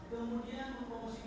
dan yang terkutang